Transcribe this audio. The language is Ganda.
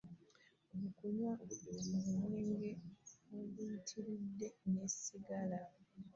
Okwewala okunywa omwenge oguyitiridde ne ssigala